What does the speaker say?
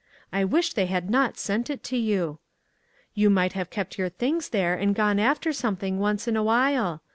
I wish they had not sent it to you. You might have kept your things there and gone after something once in awhile.